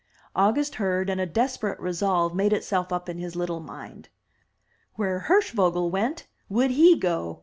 August heard, and a desperate resolve made itself up in his little mind. Where Hirschvogel went, would he go.